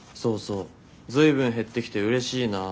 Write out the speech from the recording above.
随分減ってきてうれしいなじゃねえよ。